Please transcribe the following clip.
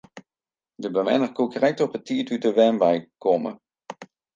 De bewenner koe krekt op 'e tiid út de wenwein komme.